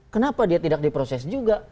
kenapa dia tidak diproses juga